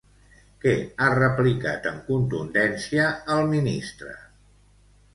Què ha replicat amb contundència el ministre?